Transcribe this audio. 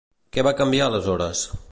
Què va canviar aleshores?